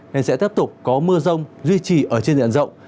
nên sẽ tiếp tục có mưa rông duy trì ở trên diện rộng